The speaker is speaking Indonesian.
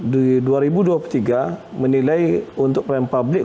di dua ribu dua puluh tiga menilai untuk pelayanan publik